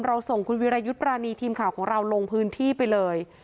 ส่งคุณวิรายุทธ์ปรานีทีมข่าวของเราลงพื้นที่ไปเลย